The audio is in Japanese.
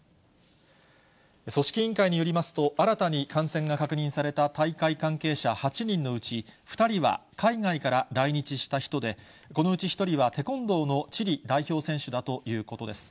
組織委員会によりますと、新たに感染が確認された大会関係者８人のうち、２人は、海外から来日した人で、このうち１人はテコンドーのチリ代表選手だということです。